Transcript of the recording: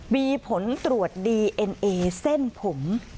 มีผลตรวจดีเอ็นเอเส้นผม